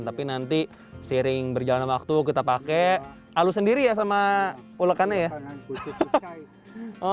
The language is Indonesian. tapi nanti seiring berjalan waktu kita pakai halus sendiri ya sama ulekannya ya